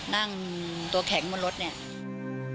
นั่งตัวแข็งบนรถเนี่ย